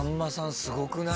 すごくない？